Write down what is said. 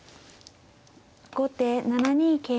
後手７二桂馬。